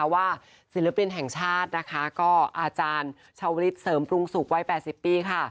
ว่าศิลปินแห่งชาติอาจารย์ชาวลิศเสริมปรุงสุขไว้๘๐ปีค่ะ